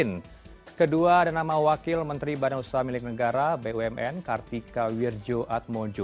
yang kedua adalah nama wakil menteri badan usaha milik negara bumn kartika wirjo admojo